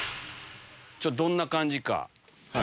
どんな感じか。